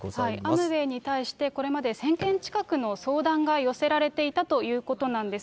アムウェイに対して、これまで１０００件近くの相談が寄せられていたということなんです。